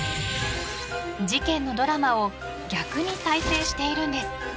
［事件のドラマを逆に再生しているんです］